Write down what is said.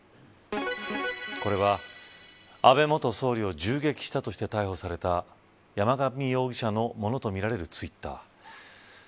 これは、安倍元総理を銃撃したとして逮捕された山上容疑者のものとみられるツイッター。